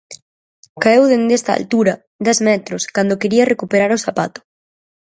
Caeu dende esta altura, dez metros, cando quería recuperar o zapato.